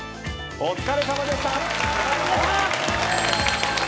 お疲れさまでした。